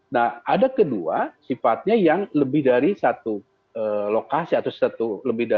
nah ada kedua sifatnya yang lebih dari satu lokasi